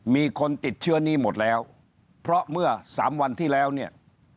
มีคนติดเชื้อนี้หมดแล้วเพราะเมื่อสามวันที่แล้วเนี่ย